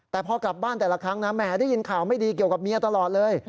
แต่พอกลับบ้านแต่ละครั้งนะแหมได้ยินข่าวไม่ดีเกี่ยวกับเมียตลอดเลย